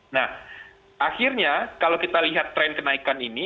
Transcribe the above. nah akhirnya kalau kita lihat tren kenaikan ini